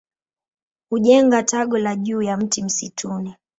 Hujenga tago lao juu ya mti msituni.